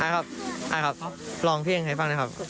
ครับลองเพลงให้ฟังนะครับ